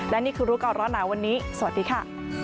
และนี่คือรู้ก่อนร้อนหนาวันนี้สวัสดีค่ะ